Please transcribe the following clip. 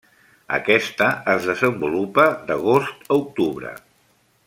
Aquesta es desenvolupa d'agost a octubre.